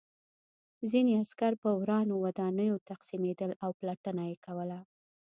ځینې عسکر په ورانو ودانیو تقسیمېدل او پلټنه یې کوله